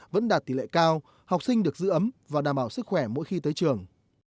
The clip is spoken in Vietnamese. vẫn đạt tỷ lệ cao học sinh được giữ ấm và đảm bảo sức khỏe mỗi khi tới trường